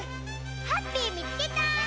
ハッピーみつけた！